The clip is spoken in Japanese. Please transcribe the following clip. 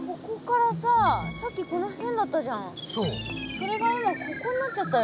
それが今ここになっちゃったよ。